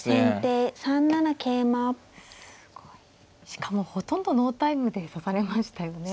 しかもほとんどノータイムで指されましたよね。